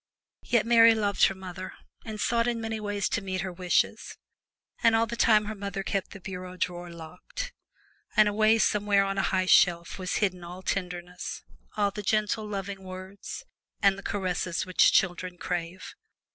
Yet Mary loved her mother, and sought in many ways to meet her wishes, and all the time her mother kept the bureau drawer locked, and away somewhere on a high shelf was hidden all tenderness all the gentle, loving words and the caresses which children crave.